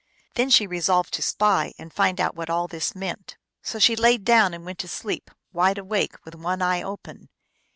Then she resolved to spy and find out what all this meant. So she laid down and went to sleep, wide awake, with one eye open.